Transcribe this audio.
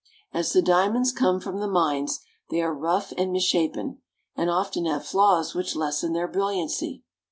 As the diamonds come from the mines they are rough and misshapen, and often have flaws which lessen their brilliancy.